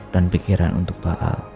dan pikiran untuk pak al